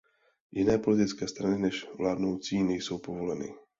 Jiné politické strany než vládnoucí nejsou povoleny.